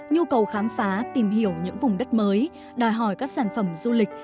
nhu cầu khám phá tìm hiểu những vùng đất mới đòi hỏi các sản phẩm du lịch